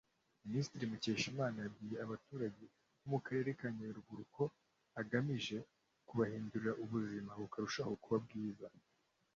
Minisitiri Mukeshimana yabwiye abaturage bo mu karere ka Nyaruguru ko ugamije kubahindurira ubuzima bukarushaho kuba bwiza